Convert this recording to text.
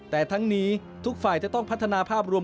แต่ทั้งนี้ทุกฝ่ายจะต้องพัฒนาภาพรวม